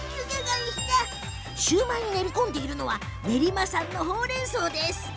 シューマイに練り込んでいるのは練馬産のほうれんそうです。